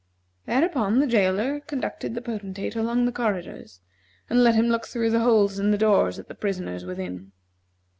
Thereupon the jailer conducted the Potentate along the corridors, and let him look through the holes in the doors at the prisoners within.